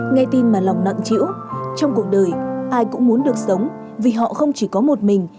nghe tin mà lòng chữ trong cuộc đời ai cũng muốn được sống vì họ không chỉ có một mình